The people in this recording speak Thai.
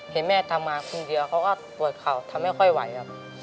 เห็นแม่ทำมาคนเดียวเขาก็ปวดเข่าทำไม่ค่อยไหวครับ